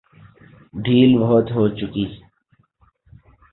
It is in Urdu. ڈھیل بہت ہو چکی۔